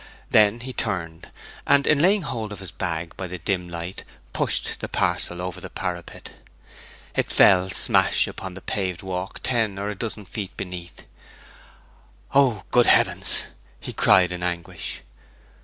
Then he turned, and in laying hold of his bag by the dim light pushed the parcel over the parapet. It fell smash upon the paved walk ten or a dozen feet beneath. 'Oh, good heavens!' he cried in anguish.